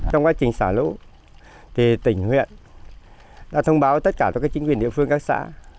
trong quá trình xả lũ thì tỉnh huyện đã thông báo tất cả các chính quyền địa phương các xã